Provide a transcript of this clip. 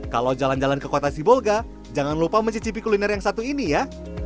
kalau jalan jalan ke kota sibolga jangan lupa mencicipi kuliner yang satu ini ya